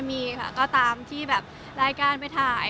มีค่ะก็ตามที่แบบรายการไปถ่าย